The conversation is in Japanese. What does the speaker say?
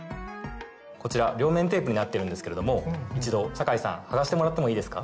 こちら両面テープになってるんですけれども一度酒井さん剥がしてもらってもいいですか？